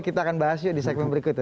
kita akan bahas yuk di segmen berikutnya